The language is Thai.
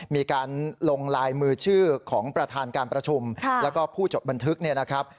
มีการลงลายมือชื่อของประธานการประชุมแล้วก็ผู้จดบันทึกเนี่ยนะครับ